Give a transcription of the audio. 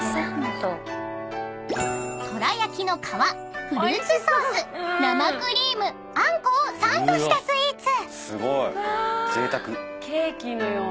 ［とらやきの皮フルーツソース生クリームあんこをサンドしたスイーツ］